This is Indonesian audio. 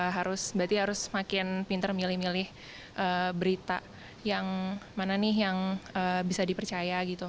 berarti harus makin pinter milih milih berita yang mana nih yang bisa dipercaya gitu